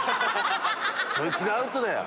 そいつがアウトだよ。